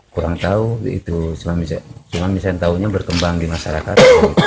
kurang tahu cuma misalnya tahunya berkembang di masyarakat